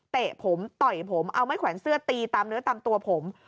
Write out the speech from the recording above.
เตะผมต่อยผมเอาไม้แขวนเสื้อตีตามเนื้อตามตัวผม